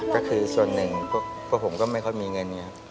ก็คือส่วนหนึ่งพวกผมก็ไม่ค่อยมีเงินไงครับ